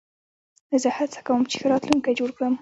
زه هڅه کوم، چي ښه راتلونکی جوړ کړم.